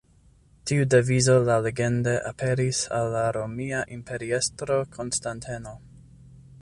Tiu devizo laŭlegende aperis al la romia imperiestro Konstanteno.